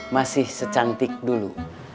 masih secantik dulu